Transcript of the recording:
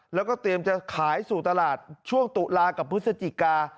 แล้วก็เตรียมจะขายสู่ตลาดช่วงตุลากับพฤศจิกา